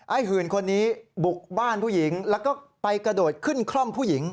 หื่นคนนี้บุกบ้านผู้หญิงแล้วก็ไปกระโดดขึ้นคล่อมผู้หญิง